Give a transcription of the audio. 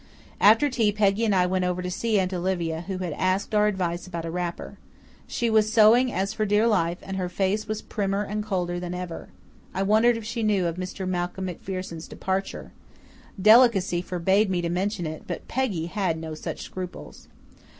After tea Peggy and I went over to see Aunt Olivia, who had asked our advice about a wrapper. She was sewing as for dear life, and her face was primmer and colder than ever. I wondered if she knew of Mr. Malcolm MacPherson's departure. Delicacy forbade me to mention it but Peggy had no such scruples.